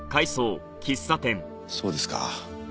そうですか。